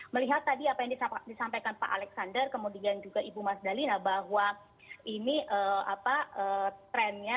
melihat tadi apa yang disampaikan pak alexander kemudian juga ibu mas dalina bahwa ini trennya